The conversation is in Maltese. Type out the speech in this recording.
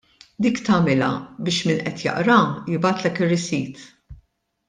Dik tagħmilha biex min qed jaqraha jibgħatlek ir-receipt.